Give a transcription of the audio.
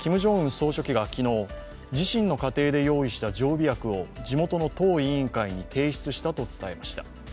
総書記が昨日、自身の家庭で用意した常備薬を地元の党委員会に提出したと伝えました。